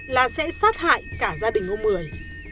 là sẽ sát hại cả gia đình ông mười